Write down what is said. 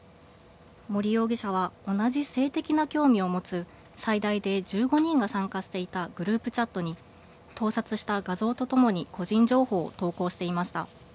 森容疑者は同じ性的な興味を持つ最大で１５人が参加していたグループチャットに盗撮した画像とともに個人情報を投稿していました。